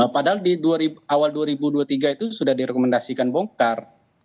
padahal di awal dua ribu dua puluh tiga itu sudah direkomendasikan bongkar